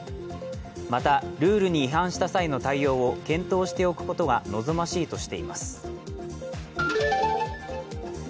また、ルールに違反した際の対応を検討しておくことが望ましいとしています。